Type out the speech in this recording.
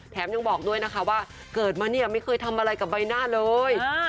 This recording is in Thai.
ยังบอกด้วยนะคะว่าเกิดมาเนี่ยไม่เคยทำอะไรกับใบหน้าเลย